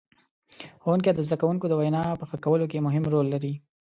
ښوونکي د زدهکوونکو د وینا په ښه کولو کې مهم رول لري.